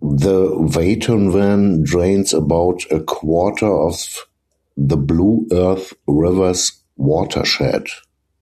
The Watonwan drains about a quarter of the Blue Earth River's watershed.